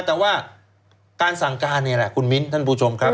แต่ว่าการสั่งการนี่แหละคุณมิ้นท่านผู้ชมครับ